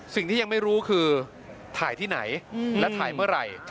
สิ่งที่ยังไม่รู้คือถ่ายที่ไหนและถ่ายเมื่อไหร่